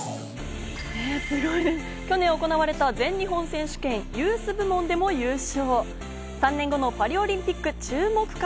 去年行われた全日本選手権ユース部門でも優勝。